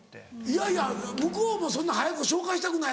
いやいや向こうもそんな早く紹介したくない。